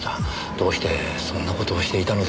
どうしてそんな事をしていたのでしょう。